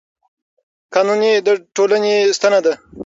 قانون د ټولنې ستنه ده